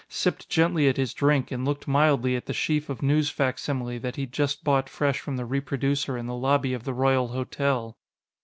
sipped gently at his drink and looked mildly at the sheaf of newsfacsimile that he'd just bought fresh from the reproducer in the lobby of the Royal Hotel.